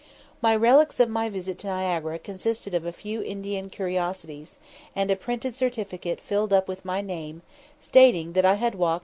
My relics of my visit to Niagara consisted of a few Indian curiosities, and a printed certificate filled up with my name, [Footnote: "Niagara Falls, C.